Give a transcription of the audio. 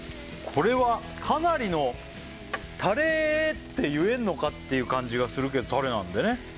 これはかなりのタレって言えんのかっていう感じがするけどタレなんだよね